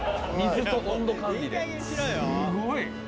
すごい！